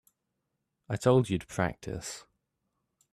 I told you to practice.